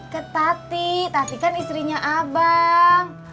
ke tati tati kan istrinya abang